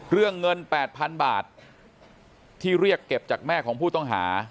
เรื่องเงิน๘๐๐๐บาทที่เรียกเก็บจากแม่ของผู้ต้องหา